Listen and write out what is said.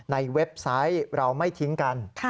เว็บไซต์เราไม่ทิ้งกัน